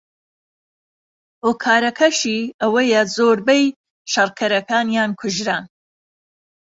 هۆکارەکەشەی ئەوەیە زۆربەی شەڕکەرەکانیان کوژران